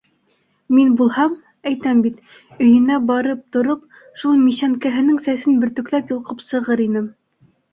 Мин булһам, әйтәм бит, өйөнә барып тороп, шул мишшәнкәһенең сәсен бөртөкләп йолҡоп сығыр инем.